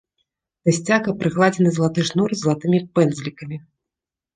Да сцяга прыкладзены залаты шнур з залатымі пэндзлікамі.